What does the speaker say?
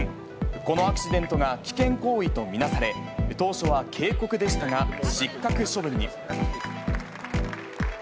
このアクシデントが危険行為と見なされ、当初は警告でしたが、失格処分に。